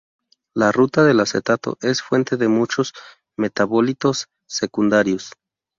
La ruta del acetato es fuente de muchos metabolitos secundarios.